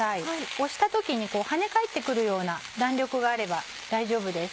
押した時にこう跳ね返って来るような弾力があれば大丈夫です。